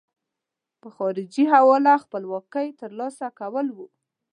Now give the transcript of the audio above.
په خارجي حواله خپلواکۍ ترلاسه کول وو.